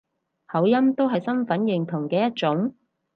口音都係身份認同嘅一種